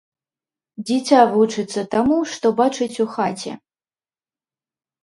Дзіця вучыцца таму, што бачыць у хаце.